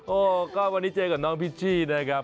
โอ้ก็วันนี้เจอกับน้องพิชชี่นะครับ